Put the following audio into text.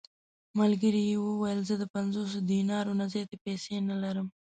ملګري یې وویل: زه د پنځوسو دینارو نه زیاتې پېسې نه لرم.